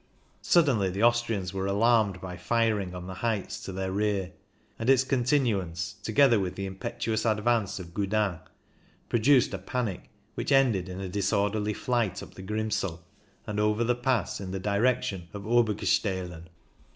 Suddenly the Austrians were alarmed by firing on the heights to their rear ; and its continu ance, together with the impetuous advance of Gudin, produced a panic which ended in a disorderly flight up the Grimsel, and over the Pass in the direction of Obergestelen.